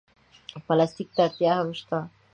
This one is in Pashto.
پلاستيک ته اړتیا هم شته.